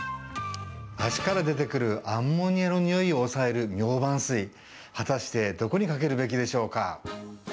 足から出てくるアンモニアのにおいを抑えるミョウバン水、果たしてどこにかけるべきでしょうか？